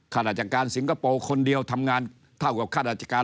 คนเดียวทำงานเท่ากับข้าราชการ